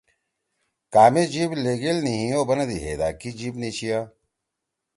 کامے جئِب لیِگیل نی ہیو بنَدی ہیدا کی جیِب نی چھیِا۔